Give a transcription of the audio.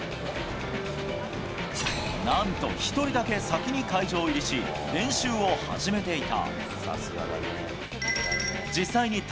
なんと１人だけ先に会場入りし、練習を始めていた。